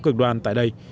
cực đoan tại đây